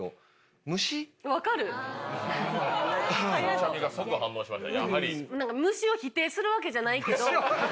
ゆうちゃみが即反応しました。